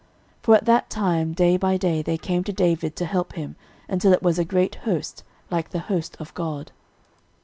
13:012:022 For at that time day by day there came to David to help him, until it was a great host, like the host of God.